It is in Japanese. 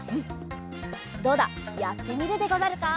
どうだやってみるでござるか？